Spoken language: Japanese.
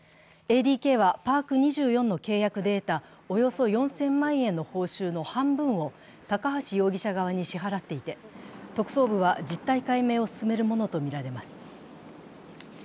ＡＤＫはパーク２４の契約で得たおよそ４０００万円の報酬の半分を高橋容疑者側に支払っていて、特捜部は実態解明を進めるものとみられます。